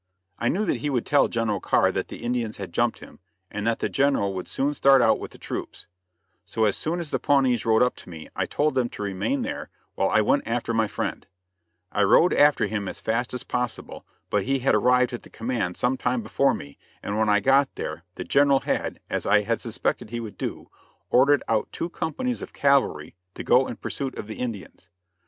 ] I knew that he would tell General Carr that the Indians had jumped him, and that the General would soon start out with the troops. So as soon as the Pawnees rode up to me I told them to remain there while I went after my friend. I rode after him as fast as possible, but he had arrived at the command some time before me and when I got there the General had, as I had suspected he would do, ordered out two companies of cavalry to go in pursuit of the Indians.